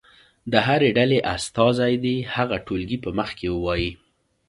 د هرې ډلې استازی دې هغه ټولګي په مخ کې ووایي.